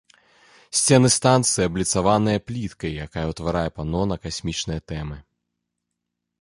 Сцены станцыі абліцаваныя пліткай, якая ўтварае пано на касмічныя тэмы.